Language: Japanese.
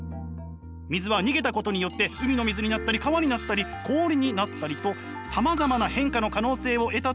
水は逃げたことによって海の水になったり川になったり氷になったりとさまざまな変化の可能性を得たと言えるのです。